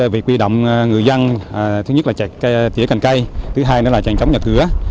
việc huy động người dân thứ nhất là chèn trống nhà cây thứ hai là chèn trống nhà cửa